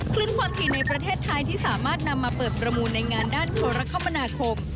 ขึ้นความถี่ในประเทศไทยที่สามารถนำมาเปิดประมูลในงานด้านโทรคมนาคม